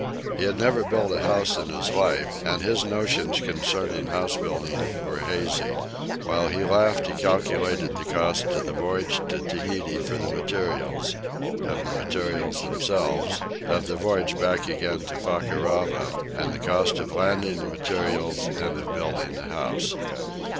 He had never built a house in his life, and his notions concerning house building were hazy. While he laughed, he calculated the cost of the voyage to Tahiti for materials, of the materials themselves, of the voyage back again to Fakarava, and the cost of landing the materials and of building the house.